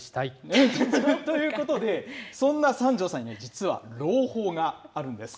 ということで、そんな三條さんに実は、朗報があるんです。